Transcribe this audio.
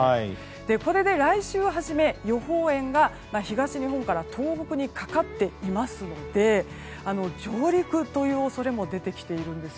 これで来週初め、予報円が東日本から東北にかかっていますので上陸という恐れも出てきているんです。